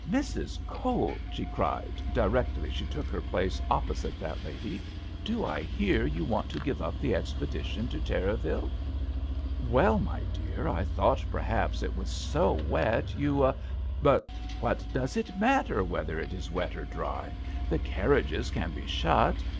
" Mrs. Cowell," she cried, directly she took her place opposite that lady, do I hear you want to give up the expedi tion to Terraville ?"" Well, my dear, I thought per haps as it was so wet, you "" But what does it matter whether it is wet or dry ? The carriages can be shut.